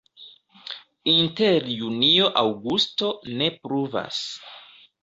Inter junio-aŭgusto ne pluvas.